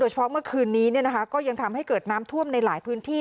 เฉพาะเมื่อคืนนี้ก็ยังทำให้เกิดน้ำท่วมในหลายพื้นที่